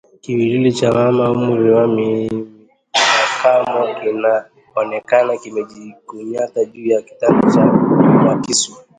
Kiwiliwili cha mama wa umri wa makamo kinaonekana kimejikunyata juu ya kitanda cha mwakisu